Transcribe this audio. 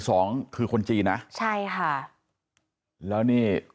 ก็ชื่อคุณสมคิตอายุ๔๔ปี